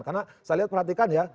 karena saya lihat perhatikan ya